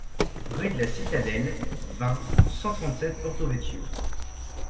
Rue De La Citadelle, vingt, cent trente-sept Porto-Vecchio